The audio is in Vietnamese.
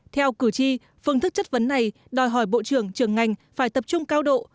theo cử tri phương thức chất vấn này đòi hỏi bộ trưởng trường ngành phải tập trung cao độ